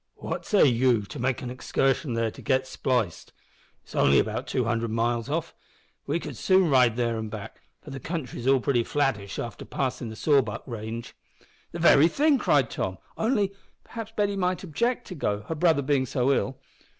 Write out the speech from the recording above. What say ye to make an excursion there to get spliced, it's only about two hundred miles off? We could soon ride there an' back, for the country's all pretty flattish after passin' the Sawback range." "The very thing!" cried Tom; "only perhaps Betty might object to go, her brother being so ill."